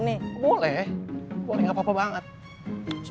nah juga nggak ada lagi